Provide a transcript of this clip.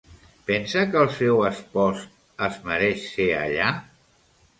Pensa que el seu espòs es mereix ser allà?